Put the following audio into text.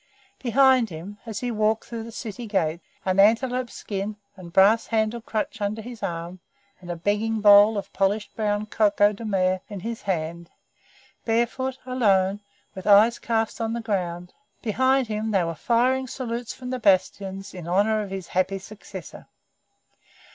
Behind him, as he walked through the city gates, an antelope skin and brass handled crutch under his arm, and a begging bowl of polished brown coco de mer in his hand, barefoot, alone, with eyes cast on the ground behind him they were firing salutes from the bastions in honour of his happy successor.